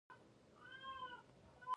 مني کې د ونو پاڼې ژیړیږي